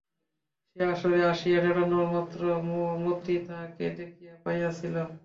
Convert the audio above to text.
সে আসরে আসিয়া দাড়ানো মাত্র মতি তাহাকে দেখিতে পাইয়াছিল।